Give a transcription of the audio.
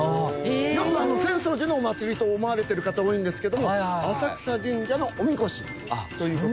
よく浅草寺のお祭りと思われてる方多いんですけども浅草神社のおみこしという。